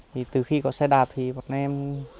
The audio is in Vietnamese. thì từ khi có xe đạp thì bọn em